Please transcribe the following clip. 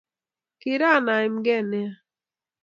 Kiran aimgee nea